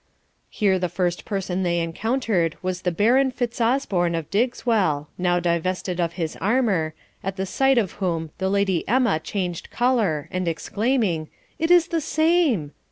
Here the first person they encountered was the Baron Fitzosborne of Diggswell, now divested of his armour, at the sight of whom the Lady Emma changed colour, and exclaiming, 'It is the same!'